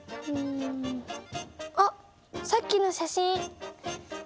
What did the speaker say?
あっさっきの写真。